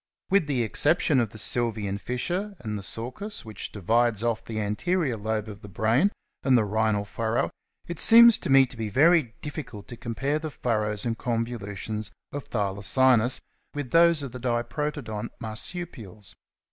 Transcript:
With the exception of the Sylvian fissure and the sulcus which divides off the anterior lobe of the brain and the rhinal furrow, it seems to me to be very difficult to compare the furrows and convolutions of Thylacinus with those of the Diprotodont Marsupials.